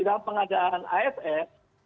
dalam pengadaan asf